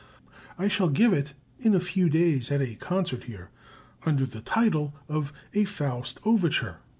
I shall give it in a few days at a concert here, under the title of 'A "Faust" Overture.'